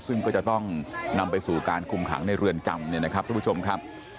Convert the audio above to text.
ซึ่งก็จะต้องนำไปสู่การคุมขังในเรือนจำเนี่ยนะครับทุกผู้ชมครับ